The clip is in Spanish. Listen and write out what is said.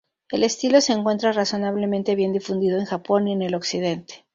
El estilo se encuentra razonablemente bien difundido en Japón y en el occidente.